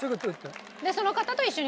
その方と一緒に。